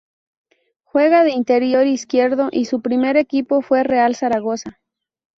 Juega de interior izquierdo y su primer equipo fue Real Zaragoza.